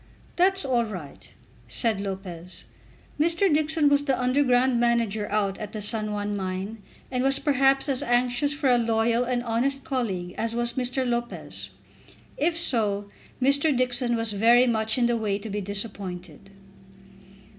"That's all right," said Lopez. Mr. Dixon was the underground manager out at the San Juan mine, and was perhaps as anxious for a loyal and honest colleague as was Mr. Lopez. If so, Mr. Dixon was very much in the way to be disappointed.